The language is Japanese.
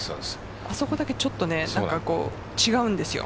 あそこだけちょっと違うんですよ。